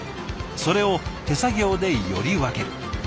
それを手作業でより分ける。